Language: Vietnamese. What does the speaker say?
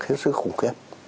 thiết sức khủng khiếp